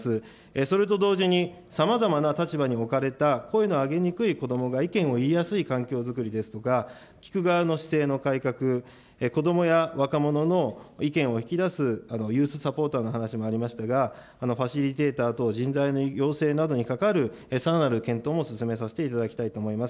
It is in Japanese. それと同時にさまざまな立場に置かれた声の上げにくい子どもが意見を言いやすい環境作りですとか、聞く側の姿勢の改革、子どもや若者の意見を引き出すユースサポーターの話もありましたが、ファシリテーター等、人材の養成などにかかるさらなる検討も進めさせていただきたいと思います。